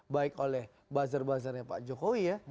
baik oleh buzzer buzzernya pak jokowi ya